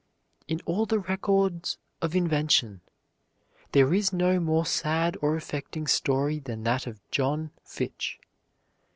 In all the records of invention there is no more sad or affecting story than that of John Fitch.